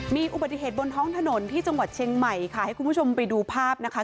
มีอุบัติเหตุบนท้องถนนที่จังหวัดเชียงใหม่ค่ะให้คุณผู้ชมไปดูภาพนะคะ